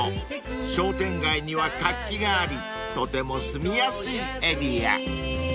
［商店街には活気がありとても住みやすいエリア］